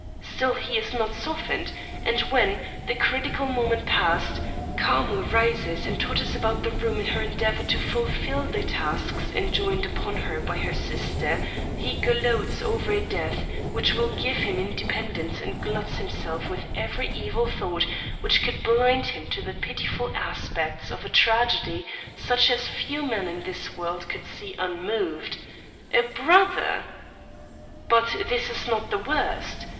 Still he is not softened; and when, the critical moment passed, Carmel rises and totters about the room in her endeavour to fulfil the tasks enjoined upon her by her sister, he gloats over a death which will give him independence and gluts himself with every evil thought which could blind him to the pitiful aspects of a tragedy such as few men in this world could see unmoved. A brother! "But this is not the worst.